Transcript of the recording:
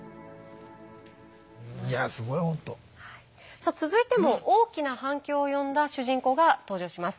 さあ続いても大きな反響を呼んだ主人公が登場します。